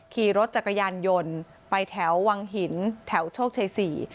ขี่รถจักรยานยนต์ไปแถววังหินแถวโชคชัยสี่